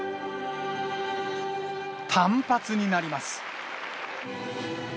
単発になります。